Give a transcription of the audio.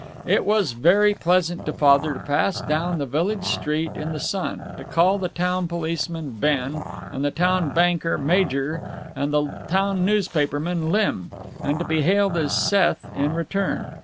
It was very pleasant to Father to pass down the village street in the sun, to call the town policeman "Ben" and the town banker "Major" and the town newspaperman "Lym," and to be hailed as "Seth" in return.